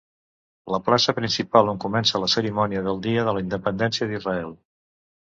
La plaça principal, on comença la cerimònia del Dia de la Independència d'Israel.